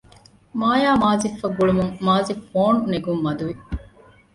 މާޔާ މާޒިފް އަށް ގުޅުމުން މާޒިފް ފޯނު ނެގުން މަދު ވި